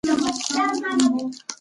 کرنیزې ځمکې له ګواښونو سره مخ دي.